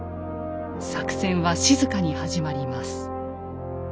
作戦は静かに始まります。